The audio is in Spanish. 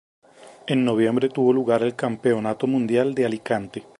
En noviembre tuvo lugar el Campeonato Mundial de Alicante.